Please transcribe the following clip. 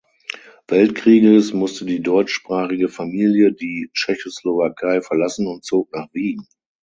Weltkrieges musste die deutschsprachige Familie die Tschechoslowakei verlassen und zog nach Wien.